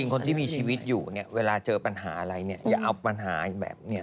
คนที่มีชีวิตอยู่เวลาเจอปัญหาอะไรอย่าเอาปัญหาแบบเนี่ย